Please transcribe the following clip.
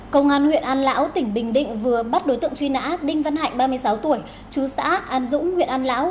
công an huyện an lão tỉnh bình định vừa bắt đối tượng truy nã đinh văn hạnh ba mươi sáu tuổi chú xã an dũng huyện an lão